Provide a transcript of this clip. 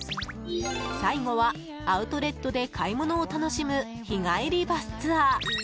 最後はアウトレットで買い物を楽しむ日帰りバスツアー。